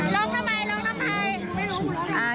ล้อกทำไม